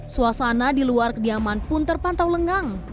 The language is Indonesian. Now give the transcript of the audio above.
suasana di luar kediaman pun terpantau lengang